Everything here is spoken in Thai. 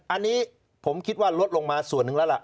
อันนี้ผมคิดว่าลดลงมาส่วนหนึ่งแล้วล่ะ